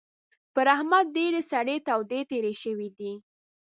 پر احمد ډېرې سړې تودې تېرې شوې دي.